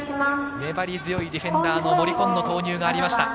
粘り強いディフェンダーの森紺の投入がありました。